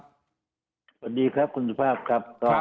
สวัสดีครับคุณสุภาพครับ